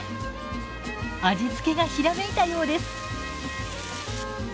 味付けがひらめいたようです。